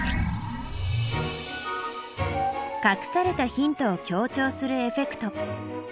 かくされたヒントを強調するエフェクト。